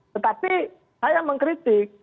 tetapi saya mengkritik